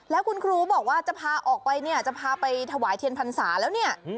แล้วคุณครูบอกว่าจะพาออกไปเนี่ยจะพาไปถวายเทียนพรรษาแล้วเนี่ย